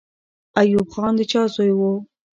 ایوب خان د چا زوی وو؟